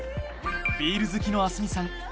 ビール好きの明日海さん